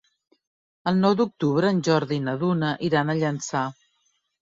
El nou d'octubre en Jordi i na Duna iran a Llançà.